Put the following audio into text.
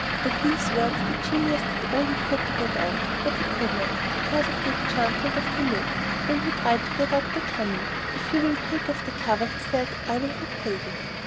At these words the genius did all he could to get out, but he could not, because of the enchantment of the lid. Then he tried to get out by cunning. "If you will take off the cover," he said, "I will repay you."